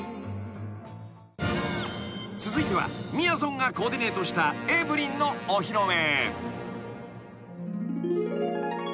［続いてはみやぞんがコーディネートしたエブリンのお披露目］